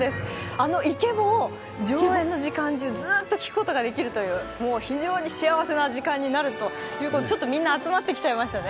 あのイケボを上演時間中ずっと聞くことができるということで非常に幸せな時間になるということで、みんな集まってきちゃいましたね。